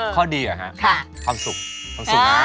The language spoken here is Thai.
ข้อดีเหรอฮะความสุขความสุขนะ